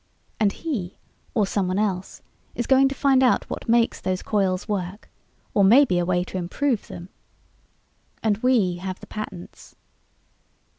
And he or someone else is going to find out what makes those coils work, or maybe a way to improve them!" "And we have the patents...."